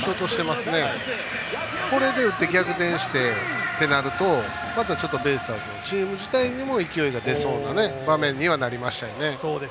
これで打って逆転してってなるとまたちょっとベイスターズのチーム自体にも勢いが出そうな場面にはなりましたね。